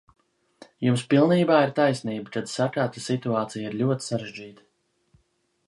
Jums pilnībā ir taisnība, kad sakāt, ka situācija ir ļoti sarežģīta.